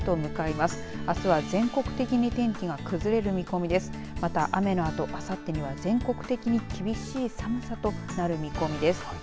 また、雨のあとあさってには全国的に厳しい寒さとなる見込みです。